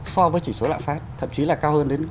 cái chỉ số lạm phát thậm chí là cao hơn đến